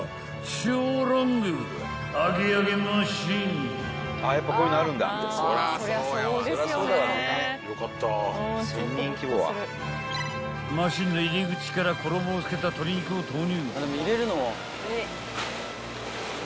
［超ロング揚げ揚げマシン］［マシンの入り口から衣を付けた鶏肉を投入］